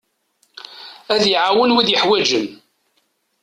Ad iɛawen wid yeḥwaǧen.